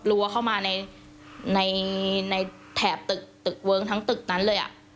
รั้วเข้ามาในแถบตึกตึกเวิ้งทั้งตึกนั้นเลย